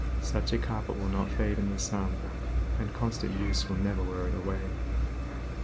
Such a carpet will not fade in the sun, and constant use will never wear it away.